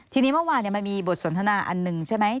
ทีนี้เมื่อวานมันมีบทสนทนาอันหนึ่งใช่ไหม